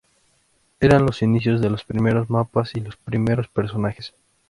Eran los inicios de los primeros mapas y los primeros personajes.